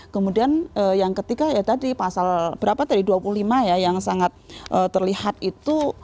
kemudian yang ketiga ya tadi pasal berapa tadi dua puluh lima ya yang sangat terlihat itu